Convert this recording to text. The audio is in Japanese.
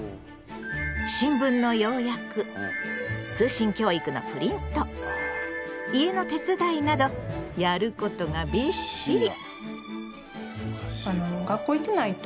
新聞の要約通信教育のプリント家の手伝いなどやることがびっしり。